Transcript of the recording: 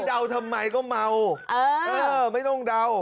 ดาวทำไมก็เมาไม่ต้องดาว